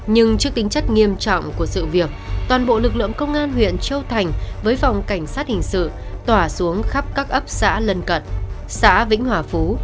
nhưng trước tính chất nghiêm trọng của sự việc toàn bộ lực lượng công an huyện châu thành với phòng cảnh sát hình sự tỏa xuống khắp các ấp xã lân cận xã vĩnh hòa phú